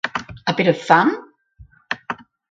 A bit of fun?